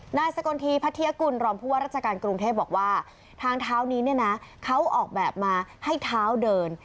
หน้าสกธีพฤติกุลหลังภูรรจการกรุงเทพฯบอกว่าทางเท้านี้นี่นะเขาออกแบบมาให้เท้าเดิน